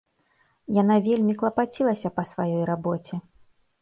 Яна вельмі клапацілася па сваёй рабоце.